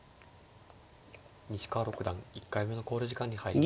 西川六段１回目の考慮時間に入りました。